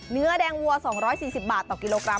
เนื้อแดงวัว๒๔๐บาทต่อกิโลกรั